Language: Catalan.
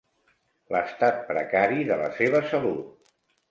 L'estat precari de la seva salut.